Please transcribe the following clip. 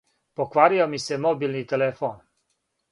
Покварио ми се мобилни телефон.